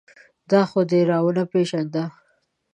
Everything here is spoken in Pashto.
دا خو دې را و نه پېژانده.